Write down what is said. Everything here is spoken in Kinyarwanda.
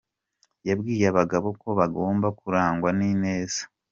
Yabwiye abagabo ko bagomba kurangwa n’ineza.